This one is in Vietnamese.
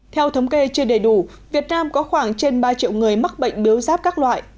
theo thống kê chưa đầy đủ việt nam có khoảng trên ba triệu người mắc bệnh biếu giáp các loại